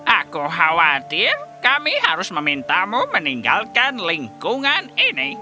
aku khawatir kami harus memintamu meninggalkan lingkungan ini